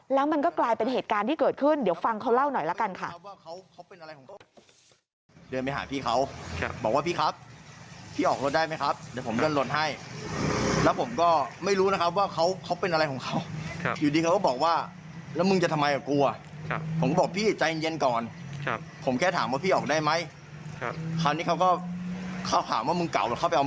แล้วมันก็กลายเป็นเหตุการณ์ที่เกิดขึ้นเดี๋ยวฟังเขาเล่าหน่อยละกันค่ะ